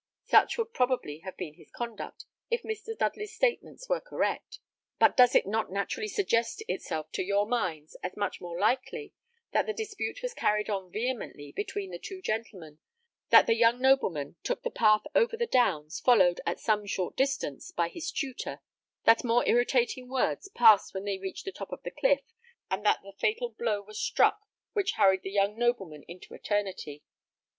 Such would probably have been his conduct if Mr. Dudley's statements were correct. But does it not naturally suggest itself to your minds, as much more likely, that the dispute was carried on vehemently between the two gentlemen; that the young nobleman took the path over the downs, followed, at some short distance, by his tutor; that more irritating words passed when they reached the top of the cliff, and that the fatal blow was struck which hurried the young nobleman into eternity.